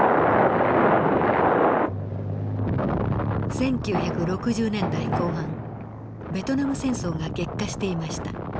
１９６０年代後半ベトナム戦争が激化していました。